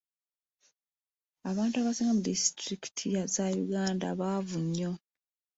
Abantu abasinga mu disitulikiti za Uganda baavu nnyo.